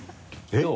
どう？